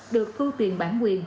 được thu tiền bản quyền